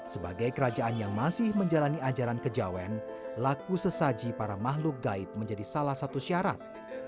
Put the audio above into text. sebagai kerajaan yang masih menjalani ajaran kejawen laku sesaji para makhluk gaib menjadi salah satu syarat